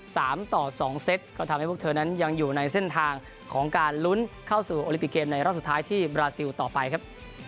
สามต่อสองเซตก็ทำให้พวกเธอนั้นยังอยู่ในเส้นทางของการลุ้นเข้าสู่โอลิปิกเกมในรอบสุดท้ายที่บราซิลต่อไปครับ